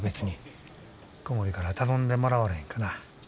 小森から頼んでもらわれへんかな。